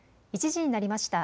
１時になりました。